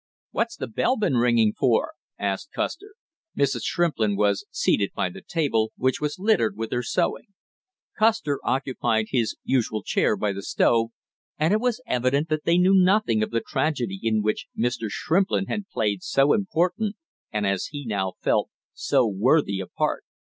"What's the bell been ringing for?" asked Custer. Mrs. Shrimplin was seated by the table, which was littered with her sewing; Custer occupied his usual chair by the stove, and it was evident that they knew nothing of the tragedy in which Mr. Shrimplin had played so important, and as he now felt, so worthy a part.